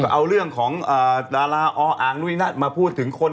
เอาเรื่องของดาราอออมาพูดถึงคน